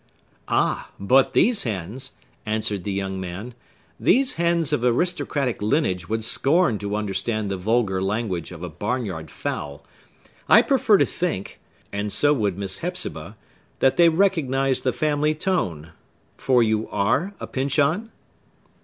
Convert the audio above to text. "Ah, but these hens," answered the young man,—"these hens of aristocratic lineage would scorn to understand the vulgar language of a barn yard fowl. I prefer to think—and so would Miss Hepzibah—that they recognize the family tone. For you are a Pyncheon?"